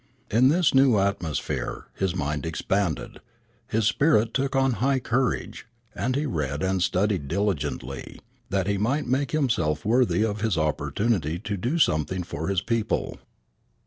In this new atmosphere his mind expanded, his spirit took on high courage, and he read and studied diligently, that he might make himself worthy of his opportunity to do something for his people.